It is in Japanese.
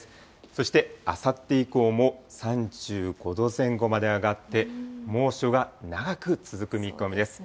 そしてあさって以降も３５度前後まで上がって、猛暑が長く続く見込みです。